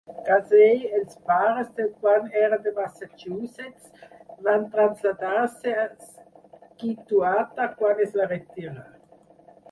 Casey, els pares del qual eren de Massachusetts, van traslladar-se a Scituate quan es va retirar.